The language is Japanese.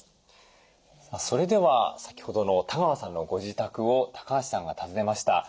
それでは先ほどの多川さんのご自宅を橋さんが訪ねました。